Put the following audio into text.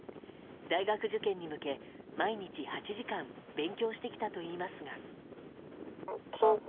大学受験に向け、毎日８時間勉強してきたといいますが。